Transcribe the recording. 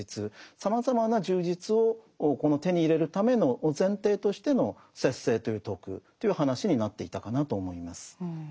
さまざまな充実を手に入れるための前提としての節制という徳という話になっていたかなと思います。